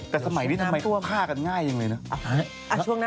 แต่สมัยนี้ทำไมฆ่ากันง่ายจังเลยนะ